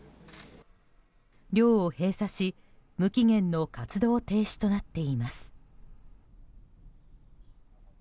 寮を閉鎖し、無期限の活動停止となっています。